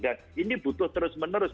dan ini butuh terus menerus